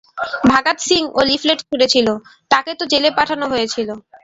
ভাগাত সিং ও তো লিফলেট ছুড়েছিল, তাকে তো জেলে পাঠানো হয়েছিল।